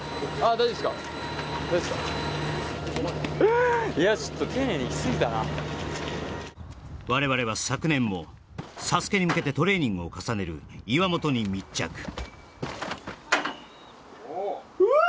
大丈夫すかいやちょっと我々は昨年も「ＳＡＳＵＫＥ」に向けてトレーニングを重ねる岩本に密着・おおっ！